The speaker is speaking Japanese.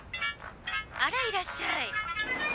あらいらっしゃい。